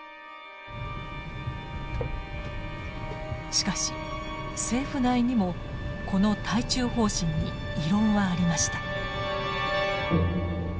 しかし政府内にもこの対中方針に異論はありました。